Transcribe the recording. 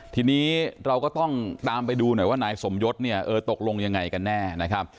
ทีนี้เราก็ต้องตามไปดูหน่อยว่านายสมยศเนี่ยเออตกลงยังไงกันแน่นะครับ